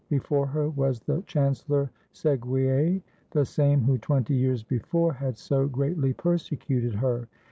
Before her was the Chancellor Seguier, the same who twenty years before had so greatly persecuted her.